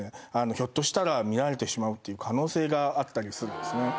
ひょっとしたら見られてしまうっていう可能性があったりするんですね。